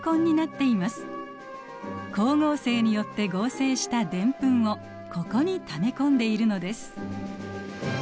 光合成によって合成したデンプンをここにため込んでいるのです。